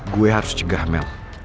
gue harus cegah mel